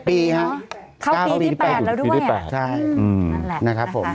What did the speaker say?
๗ปีเนอะเข้าปีที่๘แล้วด้วยใช่นั่นแหละนะครับผม